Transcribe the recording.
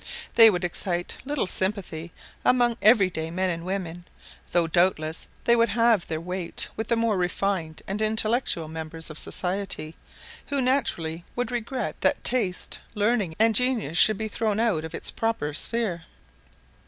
They would excite little sympathy among every day men and women, though doubtless they would have their weight with the more refined and intellectual members of society, who naturally would regret that taste, learning, and genius should be thrown out of its proper sphere.